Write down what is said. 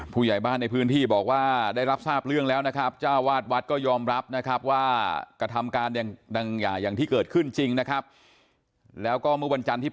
ผู้ใหญ่บ้านในพื้นที่บอกว่าได้รับทราบเรื่องแล้วนะครับเจ้าวาดวัดก็ยอมรับนะครับว่ากระทำการอย่างที่เกิดขึ้นจริงนะครับแล้วก็เมื่อวันจันทร์ที่